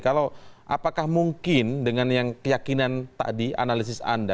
kalau apakah mungkin dengan yang keyakinan tadi analisis anda